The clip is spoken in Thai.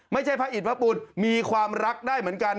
ไม่ใช่พระอิทธิ์พระปุ่นมีความรักได้เหมือนกัน